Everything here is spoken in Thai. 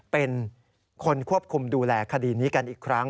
เป็นคนควบคุมดูแลคดีนี้กันอีกครั้ง